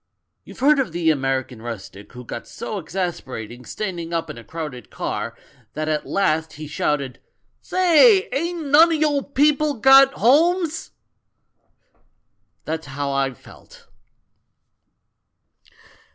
You've heard of the American rustic who got so exasperated standing up in a crowded car, that at last he shouted, 'Say! ain't none o' you people got homes?' That was how I felt."